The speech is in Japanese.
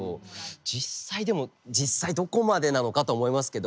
実際でも実際どこまでなのかとは思いますけど。